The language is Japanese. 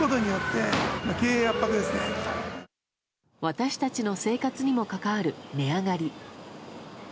私たちの生活にも関わる値上がり。